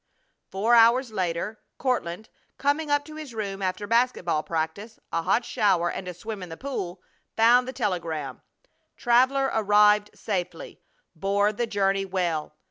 Four hours later Courtland, coming up to his room after basket ball practice, a hot shower, and a swim in the pool, found the telegram: Traveler arrived safely. Bore the journey well.